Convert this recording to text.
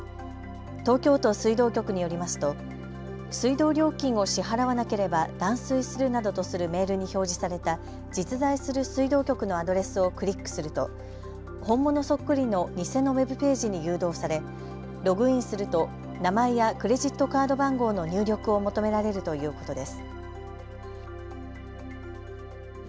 東京都水道局によりますと水道料金を支払わなければ断水するなどとするメールに表示された実在する水道局のアドレスをクリックすると本物そっくりの偽のウェブページに誘導され、ログインすると名前やクレジットカード番号の入力を求められるということです。